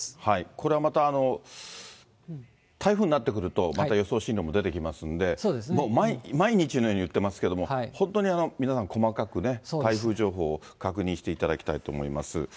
これはまた台風になってくると、また予想進路も出てきますので、毎日のように言ってますけども、本当に皆さん、細かくね、台風情報を確認していただきたいと思います。